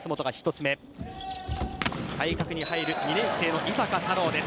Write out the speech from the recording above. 対角に入る２年生の井坂太郎です。